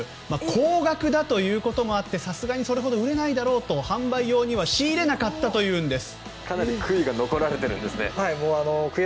高額なこともあってそれほど売れないだろうと販売用には仕入れなかったようです。